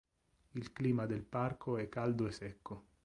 Il clima del parco è caldo e secco.